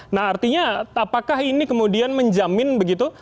nah artinya apakah ini kemudian menjamin begitu